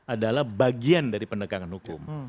adalah bagian dari penegakan hukum